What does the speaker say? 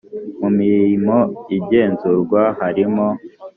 mu mirimo igenzurwa harimo